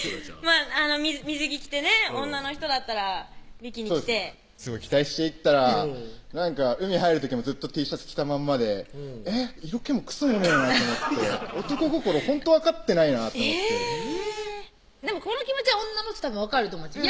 水着着てね女の人だったらビキニ着てすごい期待して行ったらなんか海入る時もずっとＴシャツ着たまんまでえっ色気もクソもねぇなと思って男心ほんと分かってないなと思ってでもこの気持ちは女の人分かると思います